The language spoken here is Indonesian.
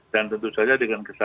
dan tentu saja dengan kesadaran